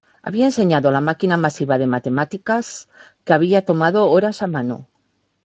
Habían enseñado la máquina masiva de matemática que habría tomado horas a mano.